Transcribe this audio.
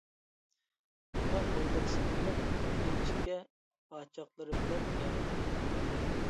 پاكار بويلىرى سىلكىنىپ، ئىنچىكە پاچاقلىرى بىلەن يەرنى تېپىدۇ.